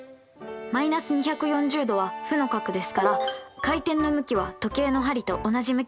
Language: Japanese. −２４０°は負の角ですから回転の向きは時計の針と同じ向きです。